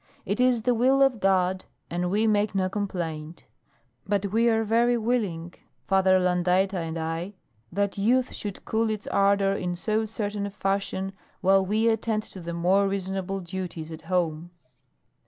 It is the will of God, and we make no complaint; but we are very willing, Father Landaeta and I, that youth should cool its ardor in so certain a fashion while we attend to the more reasonable duties at home."